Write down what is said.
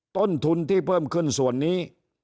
ต้นทุนที่เพิ่มขึ้นส่วนนี้